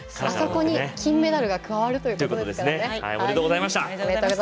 あそこに金メダルが加わるということですからね。